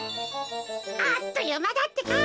あっというまだってか。